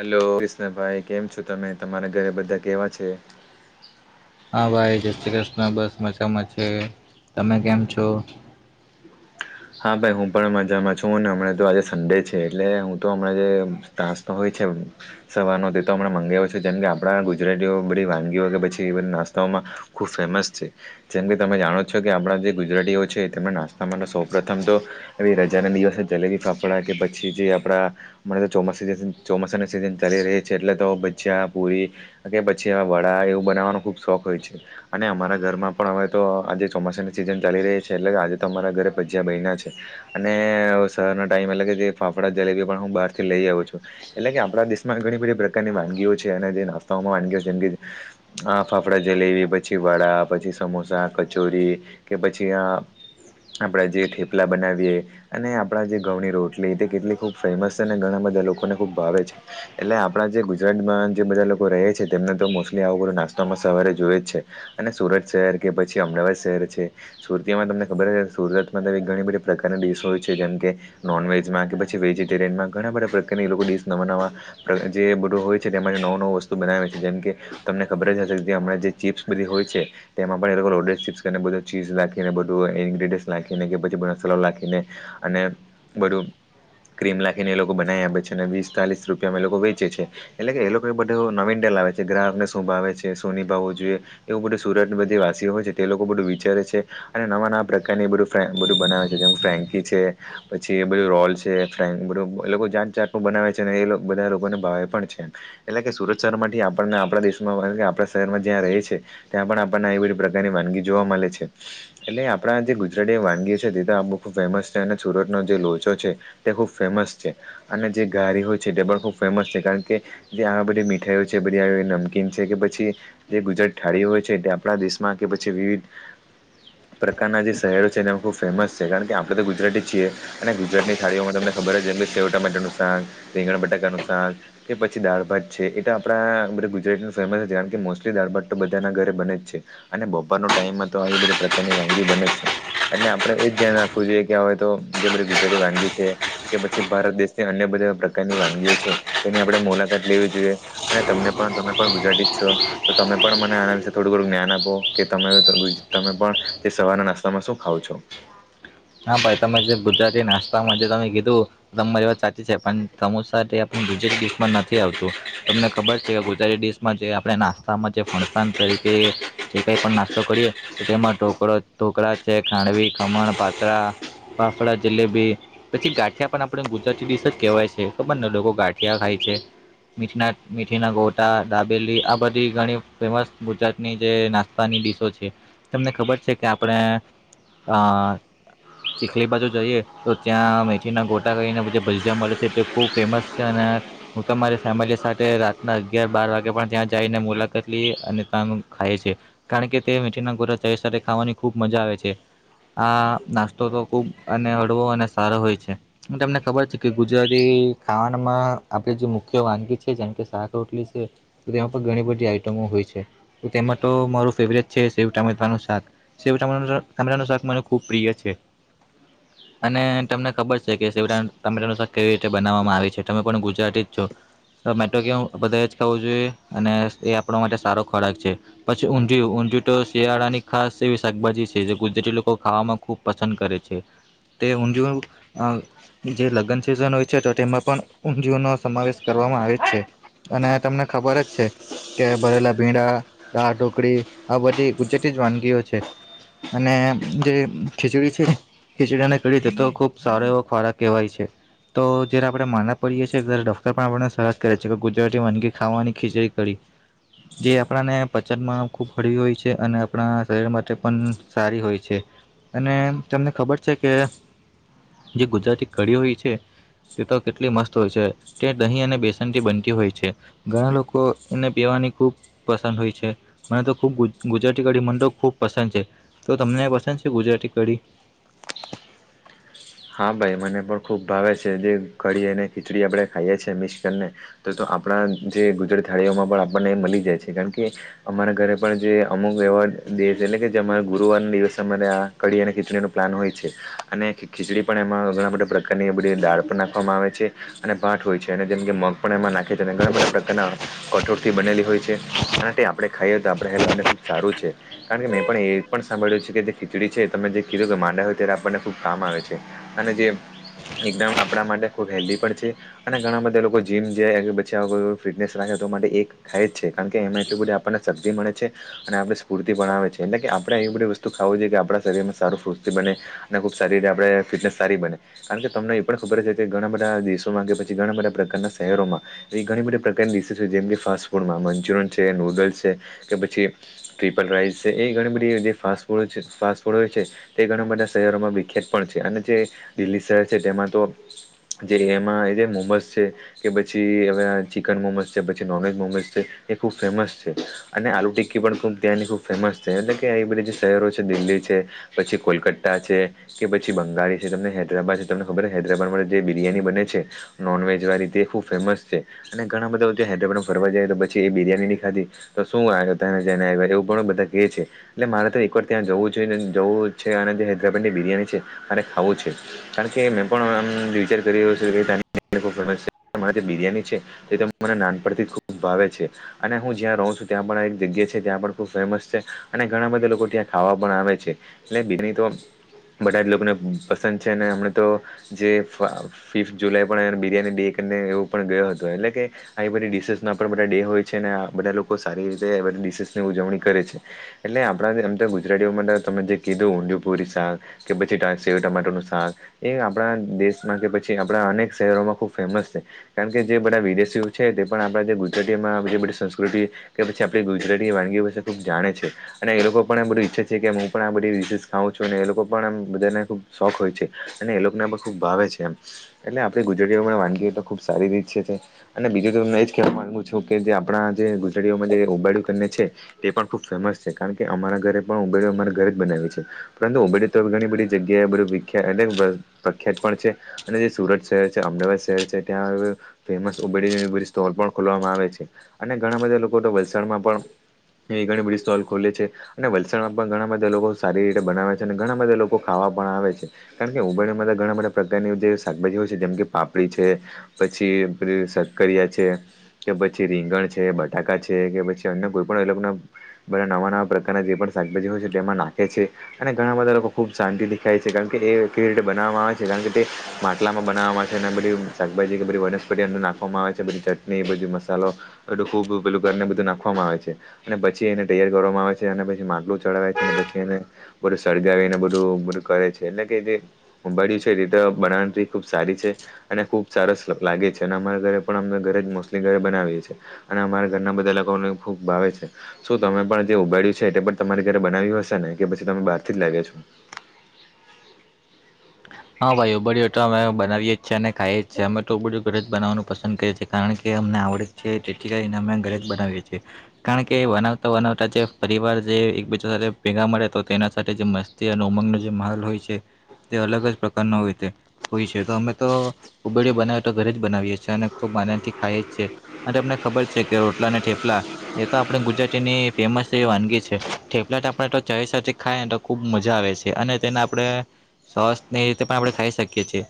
Hello Krishnabhai કેમ છો તમે તમારા ઘરે બધા કેવા છે. હા ભાઈ જય શ્રી કૃષ્ણ બસ મજામાં છે તમે કેમ છો? હા ભાઈ હું પણ મજામાં છું હમણાં તો આજે સંડે છે એટલે હું તો હમણાં જે તાસ તો હોય છે. સવારનો તે તો હમણા મંગાવ્યો છે જેમ કે આપણા ગુજરાતીઓ બધી વાનગીઓ કે પછી એ બધ નાસ્તાઓમાં ખૂબ ફેમસ છે જેમ કે તમે જાણો છો કે આપણા જે ગુજરાતીઓ છે તેમને નાસ્તા માટે સો પ્રથમ તો હવે રજાના દિવસને જલેબી ફાફડા કે પછી જે આપણા મને તો ચોમાસા સ ચોમાસાના સિઝન ચાલી રહી છે એટલે તો ભજીયા પુરી ભજીયા વડા એવું બનાવાનો ખુબ શોખ હોય છે. અને અમારા ઘરમાં પણ હવે તો આજે ચોમાસાની સિઝન ચાલી રહી છે એટલે આજે તો તમારા ઘરે ભજ્યા બનયા છે. અને શરનો ટાઈમ એટલે કે જે ફાફડા જલેબી પણ હું બહાર થી લઈ આવું છું. એટલે કે આપણા દેશમાં ઘણી બધી પ્રકારની વાનગીઓ છે અને જે નાસ્તાઓમાં વાનગીઓ છે જેમ કે આ ફાફડા જલેબી પછી વડા પછી સમોસા કચોરી કે પછી આ આપણે જે થેપલા બનાવીએ. અને આપણા જે ઘઉની રોટલી તે કેટલી ખૂબ ફેમસ છે ને ઘણા બધા લોકોને ખૂબ ભાવે છે. એટલે આપણા જે ગુજરાતમાં જે બધા લોકો રહે છે તેમને તો મોસ્ટલી આવું બશું નાસ્તામાં સવારે જોય જ છે. અને સુરત શહેર કે પછી અમદાવાદ શહેર છે સુરતીમાં તમને ખબર હશ સુરતમાં તોમે ઘણી બધી પ્રકારના ડીશ હોય છે જેમ કે નોનવેજમાં કે પછી વેજીિટેરયમાં ઘણા બધા પ્રકારની લોકો ડિસ નવા નવા જે બધું હોય છે તેમાં નવું નવું વસ્તુ બનાવે છે જેમ કે તમને ખબર જ હશે હમણાં જે ચીપ્સ બધી હોય છે તેમાં પણ એ લોકો રોડેડ ચીપ્સ અને બધું ચીઝ રાખીને બધું ઇન્ક્રીડિયસ લખીને કે પછી બધ સલાવ લાખીને અને બધું ક્રીમ લખીને એ લોકો બનાઈ આપે છે અને વીસ ચાલીસ રૂપિયામાં એ લોકો વેચે છે. એટલે કે એ લોકો એ બધ નવીન ડે લાવે છે ગ્રાહકને શું ભાવે છે શું નિ ભાવવું જોઈએ. એવું બધું સુરત બધી વાસીઓ હોય છે તે લોકો બધું વિચારે છે અને નવા નવા પ્ર કને બધું ફ્રે બનાવે છે જેમ ફ્રેન્કી છે પછી એ બધું રોલ છે ફ્રેન બધું લોકો જાત જાત બનાવે છે અને એ લોક બધા લોકોને ભાવે પણ છે એમ. એટલે કે સુરત શહેરમાંથી આપણને આપણા દેશમાં આપણા શહેરમાં જ્યાં રહે છે. ત્યાં પણ આપણને એવી બધી પ્રકારની વાનગી જોવા મળે છે એટલે આ પડા જે ગુજરાતી વાનગી છે તે તો આ બહુ ખૂબ ફેમસ છે અને સુરતનો જે લોચો છે. તે ખૂબ ફેમસ છે અને જે ગારી હોય છે તે પણ ખૂબ ફેમસ છે કારણ કે જે આવા બધી મીઠાઈઓ છે બધી આવી નમકીન છે કે પછી જે ગુજરાત થાળીઓ હોય છે તે આપણા દેશમાં કે પછી વિવિધ પ્રકારનાં જે શહેરો છે એમાં ખૂબ ફેમસ છે કારણ કે આપણે તો ગુજરાતી છીએ અને ગુજરાતીની થાળીઓમાં તમને ખબર જેમ સેવ ટામેટા નું શાક રીંગણ બટાકાનું શાક. કે પછી દાળ ભાત છે એટ આપણા બધા ગુજરાતી ફેમસ હતી કારણ કે મોસ્ટલી દાળ ભાત તો બધાના ઘરે બને જ છે. અને બપોરનો ટાઈમ હતો આવી બધી પ્રકારની વાનગીઓ બને છે. એટલે આપડે એજ ધ્યાન રાખવું જોઈએ કે હવે તો જે બધી ગુજરાતી વાનગી છે. કે પછી ભારત દેશની અન્ય બધા પ્રકારની વાનગીઓ છે તેની આપણે મુલાકાત લેવી જોઈએ. અને તમને પણ તમે પણ ગુજરાતી જ છો. તો તમે પણ મને આના વિશે થોડું ઘણું જ્ઞાન આપો કે તમે ગુજ તમે પણ તે સવારના નાસ્તામાં શું ખાવ છો? હા ભાઈ તમે જે ગુજરાતી નાસ્તામાં જે તમે કીધું તમારી વાત સાચી છે પણ સમોસા તે આપણી ગુજરાતી ડિશ માં નથી આવતું તમને ખબર છે કે ગુજરાતી ડીશ માં જે આપણે નાસ્તામાં જે ફણસાણ તરીકે જે કંઈ પણ નાસ્તો કરીએ. તેમાં ઢોકળ ઢોકળા છે ખાંડવી ખમણ પાતરા ફાફડા જલેબી પછી ગાંઠિયા પણ આપણે ગુજરાતી ડિશ જ કહેવાય છે ખબરને લોકો ગાંઠિયા ખાય છે. મીઠીના મેથી ના ગોટા દાબેલી આ બધી ઘણી ફેમસ ગુજરાતની જે નાસ્ ની ડીશો છે તમને ખબર છે કે આપણે આ ચીખલી બાજુ જઈએ તો ત્યાં મેથી ના ગોટા કરીને ભજીયા મળે છે તે ખુબ ફેમસ છે અને હું તમારી ફેમિલી સાથે રાતના અગિયાર બાર વાગે પણ ત્યાં જઈને મુલાકાત લીએ અને તાનું ખાય છે. કારણ કે તે મેથીના ગોટા ચા સાથે ખાવાની ખૂબ મજા આવે છે આ નાસ્તો તો ખુબ અને હડવો અને સારો હોય છે. તમને ખબર છે કે ગુજરાતી ખાવાનામાં આપે જે મુખ્ય વાનગી છે જેમ કે શાક રોટલી છે. તેમાં પણ ઘણી બધી આઈટમો હોય છે તેમાં તો મારું ફેવરેટ છે શેવ ટામેનું શાક સેવટામેટા ટામેટા નું શાક મને ખુબ પ્રિય છે. [inaudible] અને તમને ખબર છે સેવ ટામેટાનું શાક કેવી રીતે બનાવામાં આવે છે તમે પણ ગુજરાતી જ છો. તો મેતો કેવુ બધા એજ ખાવું જોઈએ અને એ આપણા માટે સારો ખોરાક છે. પછી ઊંધીયું ઊંધીયું તો શિયાળા ની ખાસ એવી શાકભાજી છે જે ગુજરાતી લોકો ખાવામાં ખૂબ પસંદ કરે છે તે ઊંધિયું અ જે લગન સિઝન હોય છે તો તેમાં પણ ઊંધિયુ નો સમાવેશ કરવામાં આવે છે. અને તમને ખબર જ છે. કે ભરેલા ભીડા ડાળ ઢોકળી આ બધી ગુજરતી જ વાનગીઓ છે. અને જે ખીચડી છે ખીચડીને કઢી તે તો ખુબ સારો એવો ખોરાક કહેવાય છે. તો જયારે આપણે માંદા પડીએ છીએ ડોક્ટર પણ આપને સસ કરે છે કે ગુજરાતી વાનગી ખાવાની ખીચડી કરી. જે આપણાને પચનમાં ખૂબ હળવી હોય છે અને આપણા શરીર માટે પણ સારી હોય છે. અને તમને ખબર છે કે જે ગુજરાતી કડી હોય છે તે તો કેટલી મસ્ત હોય છે તે દહીં અને બેસનથી બનતી હોય છે. ઘણા લોકો એને પીવાની ખુબ પસંદ હોય છે મને તો ખબ ગુજરાતી કઢી મનતો ખુબ પસંદ છે તો તમને પસંદ ગુજરાતી કડી હા ભાઈ મને પણ ખૂબ ભાવે છે જે કડી એને ખીચડી આપણે ખાઈએ છીએ મિક્સ કરીને. તો તો આપણા જે ગુજરાતી થાળીઓમાં પણ આપણને મળી જાય છે કારણ કે અમારા ઘરે પણ જે અમુક વ્યવહાર દ છે એટલે કે જે અમારા ગુરુવાર ના દિવસ અમારે આ કડી અને ખીચડીનું પ્લાન હોય છે અને ખીચડી પણ એમાં ઘણા બધા પ્રકારની બધી દાળ પણ નાખવામાં આવે છે અને ભાત હોય છે અને જેમ કે મગ પણ એમાં નાખે છે અને ઘણા બધા પ્રકારના કઠોર થી બનેલી હોય છે અને તે આપણે ખાઈએ તો આપણે હેલ્થ માટે ખુબ સારું છે. કારણ કે મેં પણ એ પણ સાંભળ્યું છે કે જે ખીચડી છે તમે જે કીધું કે માંદા હોય ત્યારે આપણને ખુબ કામ આવે છે છે અને જે એકદમ આપણા માટે ખૂબ હેલ્ધી પણ છે. અને ઘણા બધા લોકો જીમ જે બા ફિટનેસ રાખે તો માટે એક ખાય જ છે કારણ કે એમાં એટલું બધી આપણને શકટી મળે છે. અને આપણે સ્ફૂર્તિ બનાવે છે એટલે કે આપણે એ બધી વસ્તુ ખાવું જોઈએ આપણા શરીરમાં સારું સ્ફૂર્તિ બને અને ખુબ સારી રીતે આપડણે ફિટનેસ સારી બને. કારણ કે તમને એ પણ ખબર છે કે ઘણા બધા દેશોમાં કે પછી ઘણા બધા પ્રકારના શહેરોમાં એ ઘણી બધી પ્રકારની રિસી છે જેમ કે ફાસ્ટ ફૂડમાં મંચુરિયન છે નૂડલ્સ છે કે પછી ટ્રિપલ રાઈસ છે એ ઘણી બધી જે ફાસ્ટ ફૂડ છે ફાસ્ટ ફૂડ હોય છે તે ઘણા બધા શહેરોમાં વિખ્યાત પણ છે અને જે દિલ્હી શહેર છે તેમાં તો જે એમાં એ જે મોબસ છે કે પછી હવે ચિકન મોમસ છે પછી નોનવેજ મોમસ છે એ ખુબ ફેમસ છે. અને આલુ ટિક્કી પણ ખૂબ ત્યાંની ખુબ ફેમસ છે એટલે કે એ બધી જે શહેરો છે દિલ્હી છે પછી કોલકતા છે કે પછી બંગાળ છે તમને હૈદરાબાદ છે તમને ખબર હૈદરાબાદમાં જે બિરિયાની બને છે નોનવેજ વાળી તે ખૂબ ફેમસ છે અને ઘણા બધા હૈદરાબાદમાં ફરવા જાય તો પછી એ બિરિયાની ખાધી તો શું આવ્યો તને જઈને આવ એવું પણ બધા કે છે એટલે મારે તો એકવાર ત્યાં જવું જોઈને જવું છે અને જે હૈદરાબાદ ની બિરિયાની છે મારે ખાવું છે. કારણ કે મેં પણ આમ વિચાર કરી રહ્યો છું કે ત્યાં ની મારે જે બિરિયાની છે તે તો મને નાનપણથી ખુબ ભાવે છે. અને હું જ્યાં રહું છું ત્યાં પણ એક જગ્યા છે ત્યાં પણ ખૂબ ફેમસ છે અને ઘણા બધા લોકો ત્યાં ખાવા પણ આવે છે. એટ બીજની તો બધા જ લોકોને પસંદ છે હમણાં તો જે ફિફ્થ જુલાઈ પણ બિરિયાની ડે કરીને એવું પણ ગયો હતો એટલે કે આવી બધી ડીશસ ના પણ બધા ડે હોય છે અને બધા લોકો સારી રીતે બધી ડીસસ ની ઉજવણી કરે છે. એટલે આપણા એમ તો ગુજરાતીઓમાં તમે જે કીધું ઊંડુપુરી શાક કે પછી સેવ તમતરનું શાક એ આપણા દેશમાં કે પછી આપણા અનેક શહેરોમાં ખૂબ ફેમસ છે. કેમ કે જે બધા વિદેશીઓ છે તે પણ આપણા જે ગુજરાતીમાં જે બીજી બધી સંસ્કૃતિ કે પછી આપણી ગુજરાતીની વાનગીઓ વિસે ખુબ જાણે છે. અને એ લોકો પણ બધું ઈચ્છે છે કે હું પણ આ બધી ડિસીસ ખાઉ છું એ લોકો પણ એમ બધાને ખૂબ શોખ હોય છે અને એ લોકોને પણ ખૂબ ભાવે છે એમ એટલે આપણે ગુજરાતીઓમાં પણ વાનગીએ તો ખુબ સારી રીત છે. અને બીજું તો તમને એજ કેવા માંગુ છું કે જે આપણા જે ગુજરાડીઓમાં જે હોબાળુંને છે. તે પણ ખૂબ ફેમસ છે કારણ કે અમારા ઘરે પણ ઉબડી અમારે ઘરે જ બનાવી છે પરંતુ ઉબડી તો ઘણી બધી જગ્યાએ બધું વિખ્યા અલગ પ્રખ્યાત પણ છે. અને જે સુરત શહેર છે અમદાવાદ શહેર છે ત્યાં ફેમસ ઉબેડી સ્ટોલ પણ ખોલવામાં આવે છે અને ઘણા બધા લોકો તો વલસાડમાં પણ એ ઘણી બધી સ્ટોલ ખોલે છે અને વલસાડમાં પણ ઘણા બધા લોકો સારી રીતે બનાવે છે અને ઘણા બધા લોકો ખાવા પણ આવે છે. કારણ કે ઉમાં ઘણા બધા પ્રકારની જે શાકભાજી હોય છે જેમ કે પાપડી છે. પછી શકરિયા છે. કે પછી રીંગણ છે બટાકા છે કે પછી અન્ય કોઈ પણ એ ના. બધા નવા નવા પ્રકારના જે પણ શાકભાજી હોય છે તેમાં નાખે છે અને ઘણા બધા લોકો ખૂબ શાંતિ દેખાય છે કારણ કે એ કેવી રીતે બનાવવામાં આવે છે કારણ કે તે માટલામાં બનાવવામાં આવે છે અને બધી શાકભાજી કે બધી વનસ્પતિ અંદને નાખવામાં આવે છે બધી ચટણી બધી મસાલો એલું ખુબ પેલું ઘર ને બધું નાખવામાં આવે છે. અને પછી એને તૈયાર કરવામાં આવે છે અને પછી માટલું ચડાવે છે અને પછી એને બધું સળગાવીને બધું બધું કરે છે એટલે કે જે બળ્યું છે એ રીતે બણરી ખુબ સારી છે. અને ખુબ સારસ લાગે છે અને અમારા ઘરે પણ અમે ઘરે જ મોસ્ટલી ઘરે બનાવીએ છીએ. અને અમારા ઘરના બધા લોકોને ખૂબ ભાવે છે. શું તમે પણ જે ઉબાડય્યું છે એ પણ તમારી ઘરે બનાવ્યું હશે ને કે પછી તમે બહાર થી જ લાવ્યો છો. હા ભાઈ ઉ બ તો અમે બનાવીએ જીએ અને ખાઈએ જીએ અમે તો બું ઘરે જ બનાવવાનું પસંદ કરીએ છીએ. કારણ કે અમને આવડ છે તેટેચીકાને અમે ઘરે જ બનાવીએ છીએ કારણ કે વનવતા વનવતા જે પરિવાર જે એકબીજા સાથે ભેગા મળે તો તેના સાથે જ મસ્ત ત્યાં ઉમંગનો જે માલ હોય છે તે અલગ જ પ્રકારનો હોય છે. હોય છે તો અમે તો કબેડયો બનાવી તો ઘરે જ બનાવીએ છીએ અને ખુબ આનંદ થી ખાઈએ. અને તમને ખબર છે કે રોટલા અને ઠેપલા એ તો આપણે ગુજરાતીની ફેમસ જે વાનગી છે ેલેટ આપે તો ચ ખાય ને તો ખૂબ મજા આવે છે અને તેને આપણે શસ રીતે પણ આપણે ખાઈ શકીએ છીએ.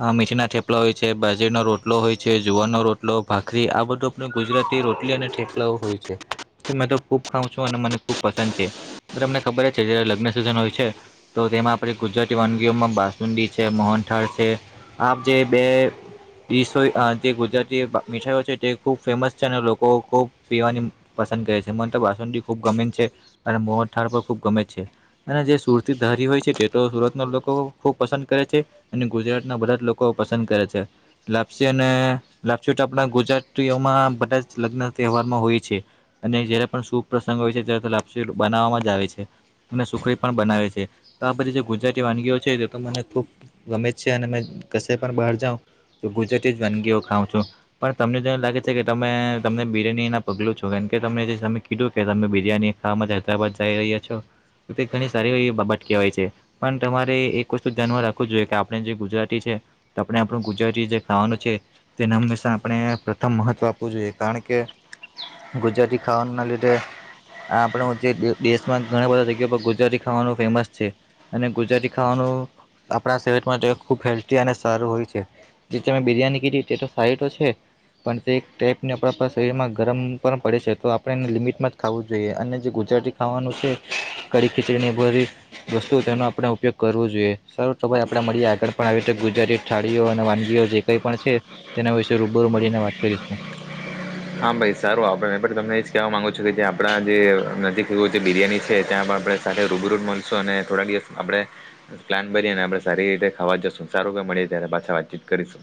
આ મીઠી ના થેપલા હોય છે બાજરીનોો રોટલો હોય છે જુવારનો રોટલો ભાખરી આ બધો. ગુજરાતી રોટલી અને ઠેકલાઓ હોય છે તો મેં તો ખુબ ખાવઉ છું અને મને ખુબ પસંદ છે. તમને ખબર જ છે જયારે લગ્ન સિઝન હોય છે તો તેમાં આપે ગુજરાતી વાનગીઓમાં બા હુંડી છે મોહનઠાર છે આપ જે બે. સો જે ગુજરાતી મીઠાઈઓ છે તે ખુબ ફેમસ છે અને લોકો ખુબ પીવાની. પસંદ કરે છે મ તો વાસ ખુબ ગમે છે અને મોળ પણ ખુબ ગમે છે. અને જે સુરતી ધારી હોય છે તે તો સુરતના લોકો. ખૂબ પસંદ કરે છે અને ગુજરાતના બધા જ લોકો પસંદ કરે છે. લાપસી અને લપસી તો આપણા ગુજરાતીઓમાં બધા જ લગ્ન તહેવારમાં હોય છે. અને જયારે પણ શુભ પ્રસંગ હોય છે ત્યારે લ બનાવવામાં જ આવે છે. અને સુખડી પણ બનાવે છે તો આ બધી જે ગુજરાતી વાનગીઓ છે. તો મને ખુબ ગમે છે અને ક પણ બહાર જાઉાવ તો ગુજરાતી જ વાનગીઓ ખાઉં છું. પણ તમને જો લાગે છે કે તમે તમને બિરની ના પગલું છો કેમ કે તમને જે ત કીધું કે તમે બિરયાની ખાવામાં હૈદરાબાદ જઈ રહ્યા છો તે ઘણી સારી એવી બાબત કહેવાય છે પણ તમારે એક ધ્યાનમાં રાખવું જોઈએ કે આપણે જે ગુજરાતી છે તો આપણે આપણું ગુજરાતી જે ખાવાનું છે તેના હંમેશા આપણે પ્રથમ મહત્વ આપવું જોઈએ કારણ કે ગુજરાતી ખાવાના ન લીઘે આ આપણો જે દેશમાં ઘણા બધા જગ્યા પર ગુજરાતી ખાવાનું ફેમસ છે. અને ગુજરાતી ખાવાનું આપણા શરીર માટે ખૂબ હેલ્ધી અને સારું હોય છે. જે તમે બિરિયાની કીધી તે તો સાઈ તો છે. પણ તે એક ટાઈપને આપણા પા શરીરમાં ગરમ પણ પડે છે તો આપણે એને લિમિટમાં જ ખાવું જોઈએ અને જે ગુજરાતી ખાવાનું છે કડી ખીચડી ને ભરી વસ્તુ તેનો આપણે ઉપયોગ કરવો જોઈએ. સારું તો ભાઈ આપે મળીએ આગળ પણ આવી રીતે ગુજરાતી થાળીઓ અને વાન જે કઈ પણ છે તેના વિશેે રૂબરૂ મળીને વાત કરીશું. [inaudible] હા ભાઈ સારું આપડે તમને એજ કેહેવા માંગુ છું કે જે આપડા જે નજીક એવું જે બિરિયાની છે ત્યાં આપડે સાથે રૂબીરૂ મળશુ અને થોડાક દિવસ આપડે. પ્લાન બનીને આપડે સારી રીતે ખાવા જશું સારું કે મળીએ ત્યારે પાછા વાતચીત કરીશું.